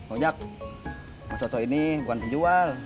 ocak mas oto ini bukan penjual